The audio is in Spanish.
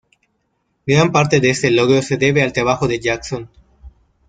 Gran parte de este logro se debe al trabajo de Jackson.